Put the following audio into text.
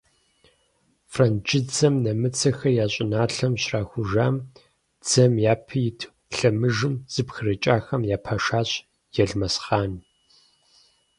Франджыдзэм нэмыцэхэр я щӀыналъэм щрахужам, дзэм япэ иту лъэмыжым зэпрыкӀахэм я пашащ Елмэсхъан.